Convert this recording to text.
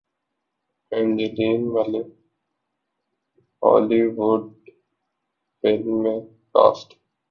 Angeline Malik Hollywood film میں cost